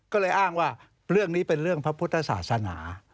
ก็เลยอ้างว่าเรื่องนี้เป็นเรื่องพระพุทธศาสนา